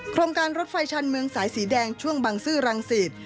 โครงการรถไฟชันเมืองสายสีแดงช่วงบังซื้อรังสิต